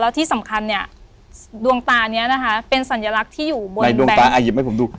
ที่สำคัญเนี่ยดวงตานี้นะคะเป็นสัญลักษณ์ที่อยู่บนดวงตาหยิบให้ผมดู